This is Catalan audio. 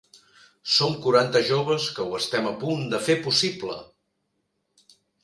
Som quaranta joves que ho estem a punt de fer possible!